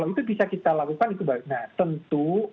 itu bisa kita lakukan nah tentu